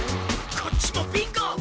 こっちもビンゴ！